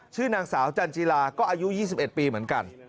ชื่อนางสาวจันจิลาก็อายุ๒๑ปีเหมือนกัน